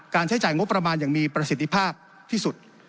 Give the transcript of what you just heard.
ใช้จ่ายงบประมาณอย่างมีประสิทธิภาพที่สุด